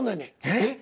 えっ？